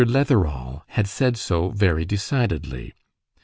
Letherall had said so very decidedly.